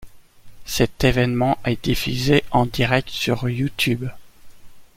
Cet évènement est diffusé en direct sur YouTube.